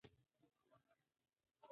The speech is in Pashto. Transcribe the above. ماشومان د مور د غېږې تودوخه غواړي.